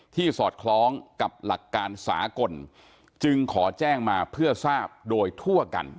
สอดคล้องกับหลักการสากลจึงขอแจ้งมาเพื่อทราบโดยทั่วกัน